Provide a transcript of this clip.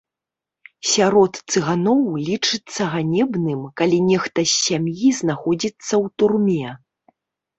Сярод цыганоў лічыцца ганебным, калі нехта з сям'і знаходзіцца ў турме.